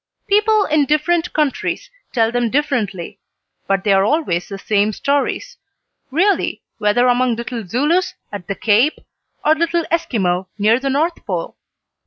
People in different countries tell them differently, but they are always the same stories, really, whether among little Zulus, at the Cape, or little Eskimo, near the North Pole.